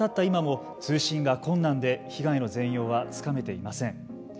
今も通信が困難で被害の全容はつかめていません。